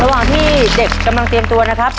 ระหว่างที่เด็กกำลังเตรียมตัวนะครับ